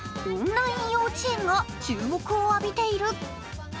オンライン幼稚園が注目を浴びている。